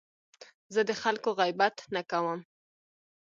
زه د خلکو غیبت نه کوم.